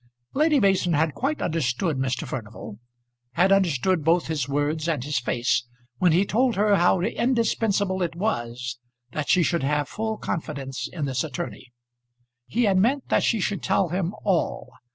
Lady Mason had quite understood Mr. Furnival; had understood both his words and his face, when he told her how indispensable it was that she should have full confidence in this attorney. He had meant that she should tell him all.